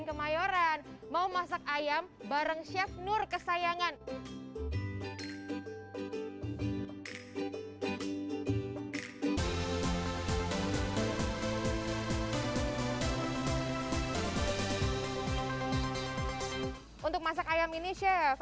kemayoran mau masak ayam bareng chef nur kesayangan untuk masak ayam ini chef